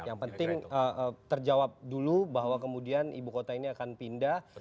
yang penting terjawab dulu bahwa kemudian ibu kota ini akan pindah